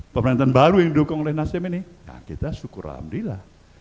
pemerintahan baru yang didukung oleh nasdem ini kita syukur alhamdulillah